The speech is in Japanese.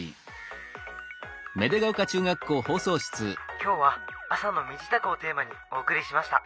「今日は朝の身支度をテーマにお送りしました。